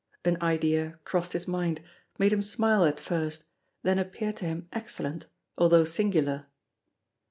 An idea crossed his mind, made him smile at first, then appeared to him excellent, although singular.